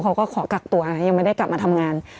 เขาก็ขอกักตัวนะยังไม่ได้กลับมาทำงาน